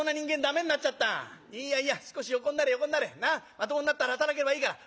まともになったら働けばいいから。